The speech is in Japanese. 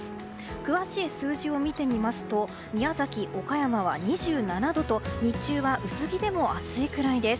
詳しい数字を見てみますと宮崎、岡山は２７度と日中は薄着でも暑いくらいです。